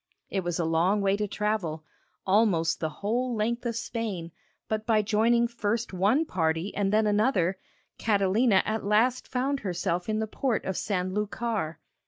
It was a long way to travel almost the whole length of Spain but by joining first one party and then another, Catalina at last found herself in the port of San Lúcar.